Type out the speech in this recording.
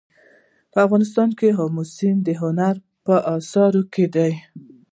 په افغانستان کې آمو سیند د هنر په اثار کې دی.